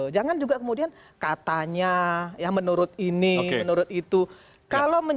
jangan juga kemudian katanya ya menurut ini menurut itu